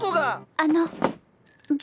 あの！